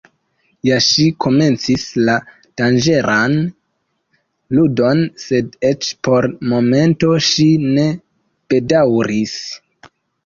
Ja ŝi komencis la danĝeran ludon, sed eĉ por momento ŝi ne bedaŭris.